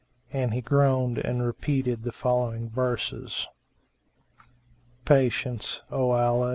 And he groaned and repeated the following verses, "Patient, O Allah!